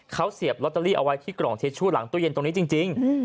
เขาเสียบลอตเตอรี่เอาไว้ที่กล่องทิชชู่หลังตู้เย็นตรงนี้จริง